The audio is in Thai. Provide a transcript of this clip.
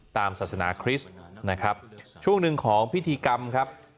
ตามศาสนาคริสต์นะครับช่วงหนึ่งของพิธีกรรมครับ